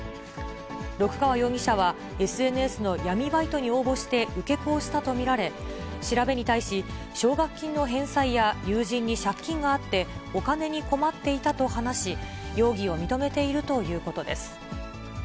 六川容疑者は、ＳＮＳの闇バイトに応募して、受け子をしたと見られ、調べに対し、奨学金の返済や友人に借金があって、お金に困っていたと話し、容疑を認めているということです。